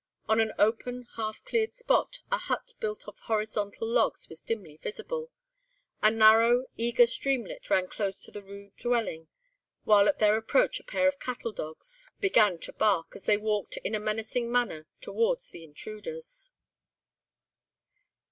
On an open, half cleared spot, a hut built of horizontal logs was dimly visible; a narrow eager streamlet ran close to the rude dwelling, while at their approach a pair of cattle dogs began to bark as they walked in a menacing manner towards the intruders.